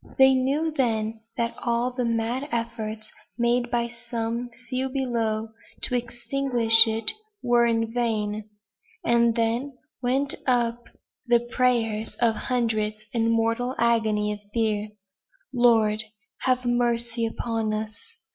They knew then that all the mad efforts made by some few below to extinguish it were in vain; and then went up the prayers of hundreds, in mortal agony of fear: "Lord! have mercy upon us!"